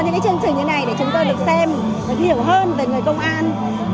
có những cái chương trình như này để chúng tôi được xem được hiểu hơn về người công an